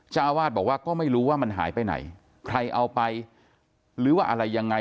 เจ้าอาวาสบอกว่าก็ไม่รู้ว่ามันหายไปไหนใครเอาไปหรือว่าอะไรยังไง